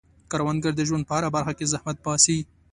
کروندګر د ژوند په هره برخه کې زحمت باسي